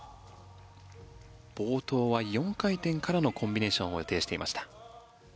冒頭は４回転からのコンビネーションを予定していました。